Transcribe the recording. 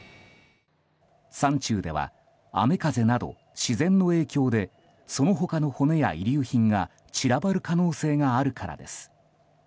山中では雨風など自然の影響でその他の骨や遺留品が散らばる可能性があるからです。